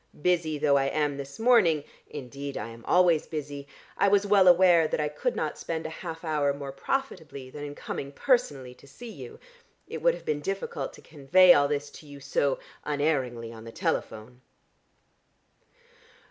Busy though I am this morning (indeed I am always busy) I was well aware that I could not spend a half hour more profitably than in coming personally to see you. It would have been difficult to convey all this to you so unerringly on the telephone."